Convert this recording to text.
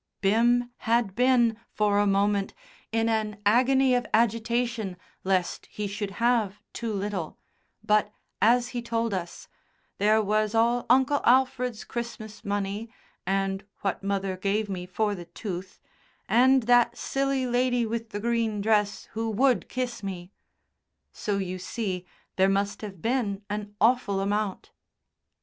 Bim had been, for a moment, in an agony of agitation lest he should have too little, but as he told us, "There was all Uncle Alfred's Christmas money, and what mother gave me for the tooth, and that silly lady with the green dress who would kiss me." So, you see, there must have been an awful amount.